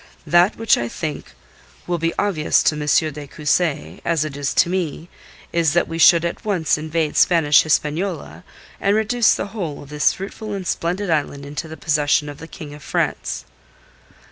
That which I think will be obvious to M. de Cussy, as it is to me, is that we should at once invade Spanish Hispaniola and reduce the whole of this fruitful and splendid island into the possession of the King of France."